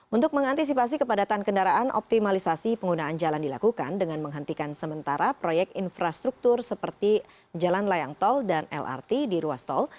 untuk mengantisipasi kepadatan kendaraan optimalisasi penggunaan jalan dilakukan dengan menghentikan sementara proyek infrastruktur seperti jalan layang tol dan lrt di ruas tol